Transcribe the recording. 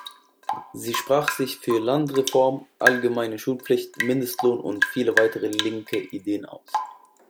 Sie sprach sich für Landreform, Allgemeine Schulpflicht, Mindestlohn und viele weitere linke Ideen aus.